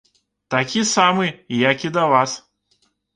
Такі самы, як і да вас.